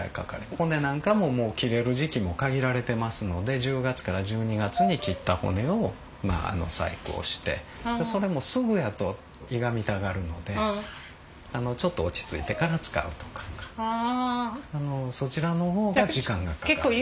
骨なんかも切れる時期も限られてますので１０月から１２月に切った骨を細工をしてそれもすぐやといがみたがるのでちょっと落ち着いてから使うとかそちらの方が時間がかかります。